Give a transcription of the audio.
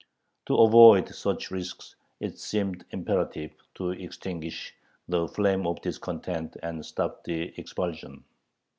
To avoid such risks it seemed imperative to extinguish the flame of discontent and stop the expulsion.